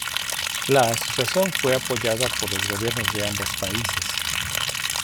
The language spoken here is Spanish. La asociación fue apoyada por los gobiernos de ambos países.